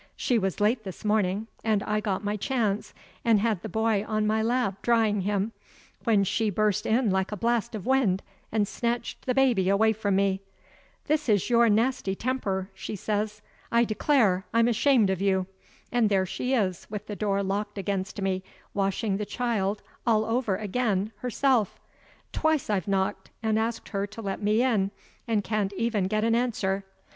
She was late this morning, and I got my chance, and had the boy on my lap, drying him when in she burst like a blast of wind, and snatched the baby away from me. 'This is your nasty temper,' she says; 'I declare I'm ashamed of you!' And there she is, with the door locked against me, washing the child all over again herself. Twice I've knocked, and asked her to let me in, and can't even get an answer.